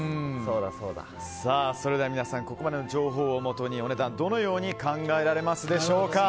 それでは皆さんここまでの情報をもとにお値段、どのように考えられますでしょうか。